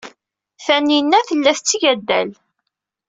Taninna tella tetteg addal.